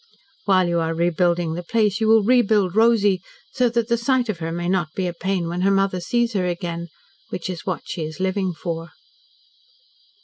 "While you are rebuilding the place you will rebuild Rosy so that the sight of her may not be a pain when her mother sees her again, which is what she is living for."